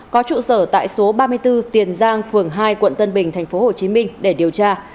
có trụ sở tại số ba mươi bốn tiền giang phường hai quận tân bình tp hcm để điều tra